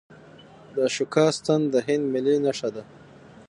د اشوکا ستن د هند ملي نښه ده.